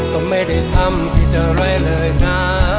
ก็ไม่ได้ทำผิดอะไรเลยนะ